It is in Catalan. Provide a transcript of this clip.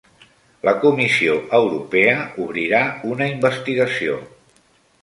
La Comissió Europea obrirà una investigació